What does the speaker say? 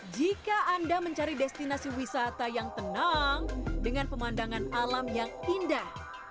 jika anda mencari destinasi wisata yang tenang dengan pemandangan alam yang indah